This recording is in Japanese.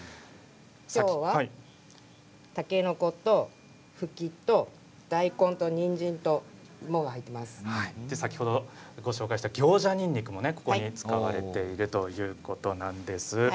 きょうはたけのことふきと大根とにんじんと先ほど紹介したギョウジャニンニクもここに使われているということです。